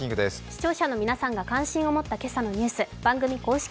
視聴者の皆さんが関心を持ったニュース、番組公式